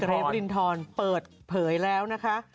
เรฟลินทรเปิดเผยแล้วนะคะ